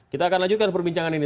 kita akan lanjutkan perbincangan ini